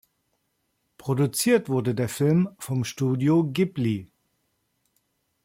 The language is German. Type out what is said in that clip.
Produziert wurde der Film vom Studio Ghibli.